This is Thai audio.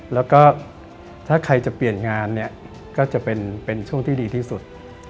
แล้วก็ถ้าใครจะเปลี่ยนงานเนี่ยก็จะเป็นช่วงที่ดีที่สุด